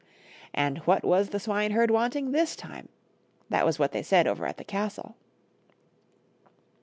And what was the swineherd wanting this time — that was what they said over at the castle.